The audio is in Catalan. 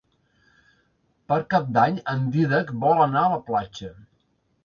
Per Cap d'Any en Dídac vol anar a la platja.